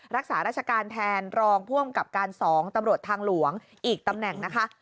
รักษาราชการแทนรองผู้อำกับการ๒ตำรวจทางหลวงอีกตำแหน่งนะคะ